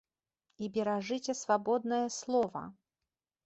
І беражыце свабоднае слова!